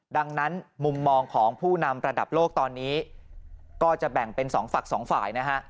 ดังนั้นมุมมองของผู้นำระดับโลกตอนนี้ก็จะแบ่งเป็นสองฝั่งสองฝ่ายนะฮะ